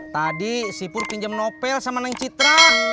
tadi si pur pinjem novel sama neng citra